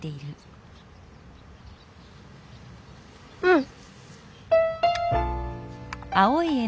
うん。